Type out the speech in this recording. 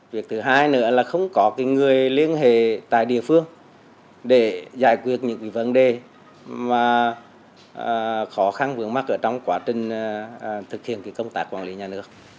việc thứ hai nữa là không có người liên hệ tại địa phương để giải quyết những vấn đề khó khăn vướng mắt ở trong quá trình thực hiện công tác quản lý nhà nước